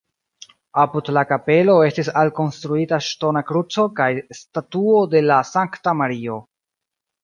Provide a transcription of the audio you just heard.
Apud la kapelo estis alkonstruita ŝtona kruco kaj statuo de la sankta Mario.